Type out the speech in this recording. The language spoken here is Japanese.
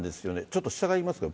ちょっと下いけますか？